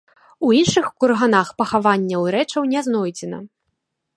У іншых курганах пахаванняў і рэчаў не знойдзена.